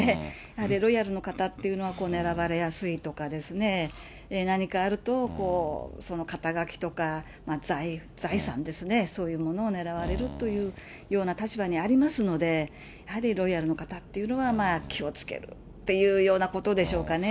やはりロイヤルの方っていうのは、狙われやすいとかですね、何かあると、その肩書とか、財産ですね、そういうものを狙われるというような立場にありますので、やはりロイヤルの方っていうのは、気をつけるというようなことでしょうかね。